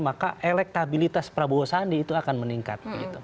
maka elektabilitas prabowo sandi itu akan meningkat